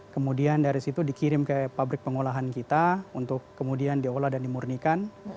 kemudian dari situ dikirim ke pabrik pengolahan kita untuk kemudian diolah dan dimurnikan